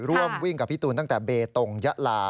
ร่วมวิ่งกับพี่ตูนตั้งแต่เบตงยะลา